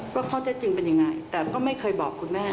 ข้อเท็จจริงเป็นยังไงแต่ก็ไม่เคยบอกคุณแม่